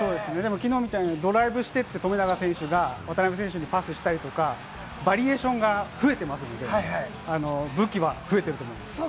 きのうみたいにドライブして富永選手が渡邊選手にパスしたりとか、バリエーションが増えていますので、武器は増えていると思います。